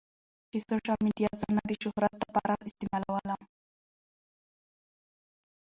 چې سوشل ميډيا زۀ نۀ د شهرت د پاره استعمالووم